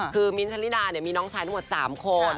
คือมิ้นท์ชะลิดามีน้องชายทั้งหมด๓คน